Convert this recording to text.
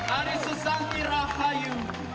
ari susanti rahayu